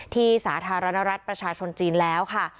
สาธารณรัฐประชาชนจีนแล้วค่ะ